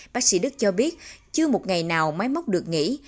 bác sĩ đức cho biết chưa một ngày nào máy móc được nghỉ